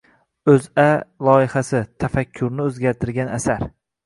OʻzA loyihasi: Tafakkurni oʻzgartirgan asar